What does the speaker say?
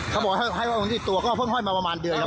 เขาบอกให้ไว้ลงที่ตัวก็เพิ่งห้อยมาประมาณเดือนครับ